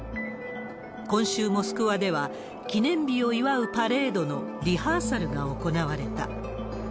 今週、モスクワでは、記念日を祝うパレードのリハーサルが行われた。